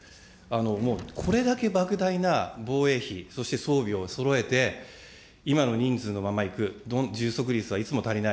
もうこれだけばく大な防衛費、そして装備をそろえて、今の人数のままいく、充足率はいつも足りない。